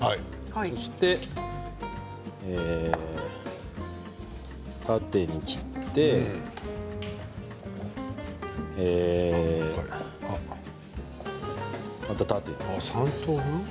そして縦に切ってまた縦に。